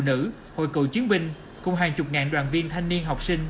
hội phụ nữ hội cựu chiến binh cùng hàng chục ngàn đoàn viên thanh niên học sinh